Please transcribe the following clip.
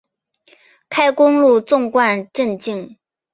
开公路纵贯镇境。